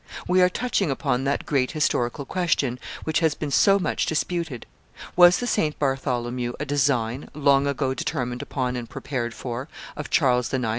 We are touching upon that great historical question which has been so much disputed: was the St. Bartholomew a design, long ago determined upon and prepared for, of Charles IX.